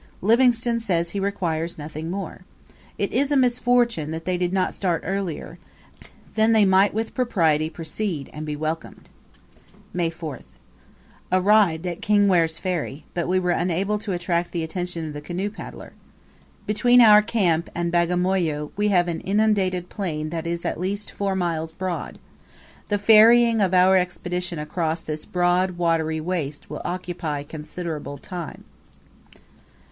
Livingstone says he requires nothing more. It is a misfortune that they did not start earlier; then they might with propriety proceed, and be welcomed. May 4th. Arrived at Kingwere's Ferry, but we were unable to attract the attention of the canoe paddler. Between our camp and Bagamoyo we have an inundated plain that is at least four miles broad. The ferrying of our Expedition across this broad watery waste will occupy considerable time.